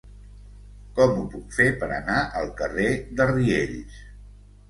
Com ho puc fer per anar al carrer de Riells?